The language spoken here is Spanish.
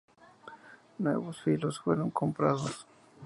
Nuevos filos fueron comparados.